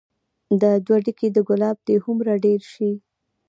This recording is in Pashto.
دا دوه ډکي د ګلاب دې هومره ډير شي